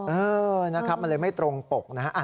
เออนะครับมันเลยไม่ตรงปกนะฮะ